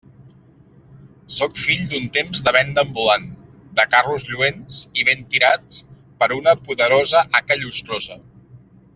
Sóc fill d'un temps de venda ambulant, de carros lluents i ben tirats per una poderosa haca llustrosa.